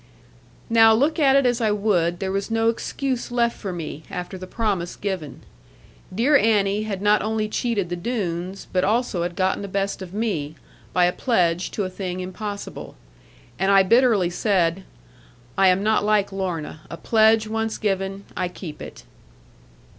Now, look at it as I would, there was no excuse left for me, after the promise given. Dear Annie had not only cheated the Doones, but also had gotten the best of me, by a pledge to a thing impossible. And I bitterly said, 'I am not like Lorna: a pledge once given, I keep it.'